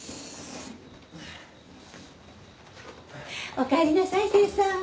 おかえりなさい清さん。